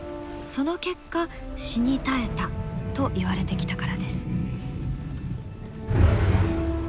その結果死に絶えたといわれてきたからです。